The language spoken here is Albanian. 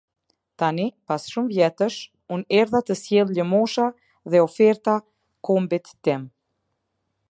Tani, pas shumë vjetësh, unë erdha të sjell lëmosha dhe oferta kombit tim.